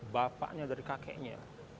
bapaknya dari kakeknya